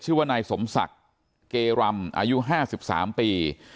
ชื่อว่านายสมศักดิ์เกรำอายุ๕๓ปี